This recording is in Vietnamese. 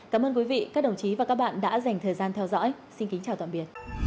cảm ơn các bạn đã theo dõi và hẹn gặp lại